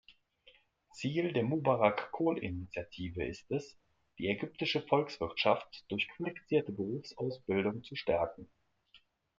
Ziel der Mubarak-Kohl-Initiative ist es, die ägyptische Volkswirtschaft durch qualifizierte Berufsausbildung zu stärken.